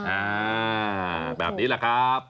อ่าแบบนี้แหละครับ